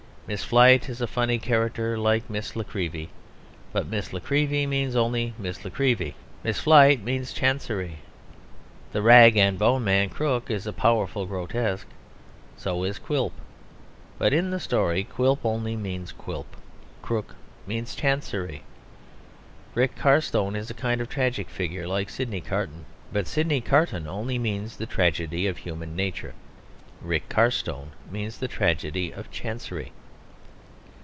Miss Flite is a funny character, like Miss La Creevy, but Miss La Creevy means only Miss La Creevy. Miss Flite means Chancery. The rag and bone man, Krook, is a powerful grotesque; so is Quilp; but in the story Quilp only means Quilp; Krook means Chancery. Rick Carstone is a kind and tragic figure, like Sidney Carton; but Sidney Carton only means the tragedy of human nature; Rick Carstone means the tragedy of Chancery.